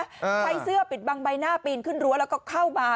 ใช้เสื้อปิดบังใบหน้าปีนขึ้นรั้วแล้วก็เข้ามา